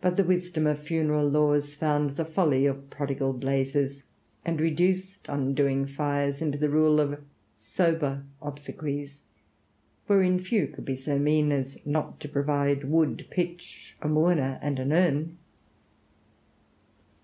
But the wisdom of funeral laws found the folly of prodigal blazes, and reduced undoing fires into the rule of sober obsequies, wherein few could be so mean as not to provide wood, pitch, a mourner, and an urn....